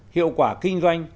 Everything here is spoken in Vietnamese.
hiệu quả kinh doanh